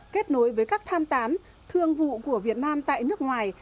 kết nối với các tham tán thương vụ của việt nam tại nước ngoài